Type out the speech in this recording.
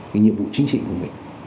cái nhiệm vụ chính trị của mình